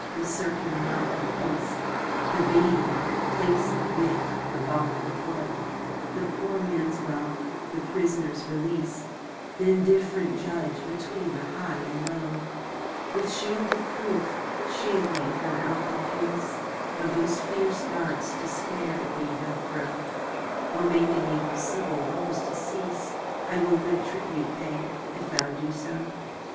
the certain knot of peace, The baiting place of wit, the balm of woe, The poor man's wealth, the prisoner's release, Th' indifferent judge between the high and low; With shield of proof, shield me from out the preaseOf those fierce darts Despair at me doth throw:O make in me those civil wars to cease;I will good tribute pay, if thou do so.